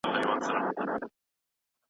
انسان یوازې نه بریالی کېږي.